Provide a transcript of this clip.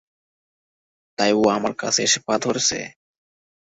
তাই ও আমার কাছে এসে পা ধরছে?